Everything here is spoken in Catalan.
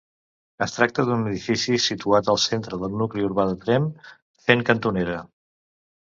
Es tracta d'un edifici situat al centre del nucli urbà de Tremp, fent cantonera.